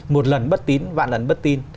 một lần bất tín vạn lần bất tín